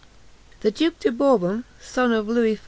The Duke de Bourbon, son of Louis XIV.